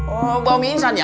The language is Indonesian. oh bawa mie instan ya